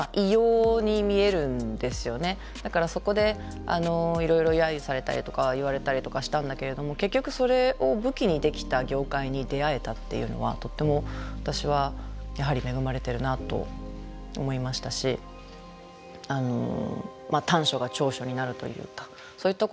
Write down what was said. だからそこでいろいろ揶揄されたりとか言われたりとかしたんだけれども結局それを武器にできた業界に出会えたっていうのはとっても私はやはり恵まれてるなと思いましたし短所が長所になるというかそういったこともあり得る話なので。